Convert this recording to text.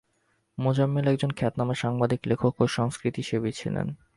মোজাম্মেল একজন খ্যাতনামা সাংবাদিক, লেখক ও সংস্কৃতিসেবী ছিলেন।